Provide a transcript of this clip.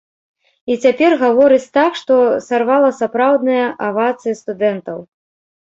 І цяпер гаворыць так, што сарвала сапраўдныя авацыі студэнтаў.